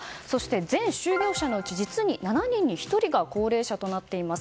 全就業者のうち７人に１人が高齢者となっています。